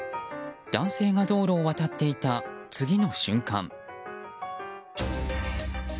男性が道路を渡っていた次の瞬間。